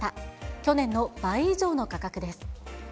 去年の倍以上の価格です。